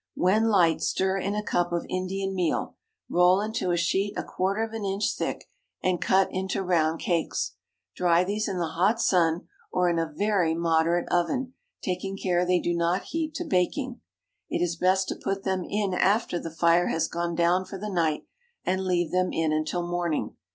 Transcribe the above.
When light, stir in a cup of Indian meal, roll into a sheet a quarter of an inch thick, and cut into round cakes. Dry these in the hot sun, or in a very moderate oven, taking care they do not heat to baking. It is best to put them in after the fire has gone down for the night, and leave them in until morning.